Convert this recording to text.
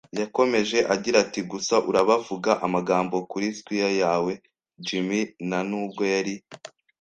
Yakomeje agira ati: "Gusa urabavuga amagambo kuri squire yawe, Jim". “Nta nubwo yari,